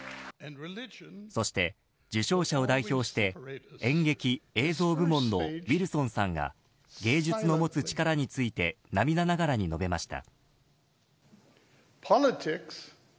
そして、受賞者を代表して演劇・映像部門のウィルソンさんが芸術の持つ力について涙ながらに述べました。